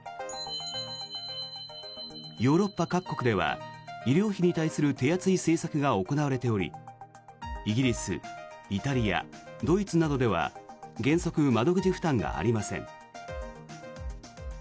ヨーロッパ各国では医療費に対する手厚い政策が行われておりイギリス、イタリアドイツなどでは原則、窓口負担がありません。